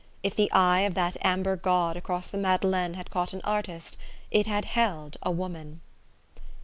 If the eye of that amber god across the Madeleine had caught an artist, it had held a woman.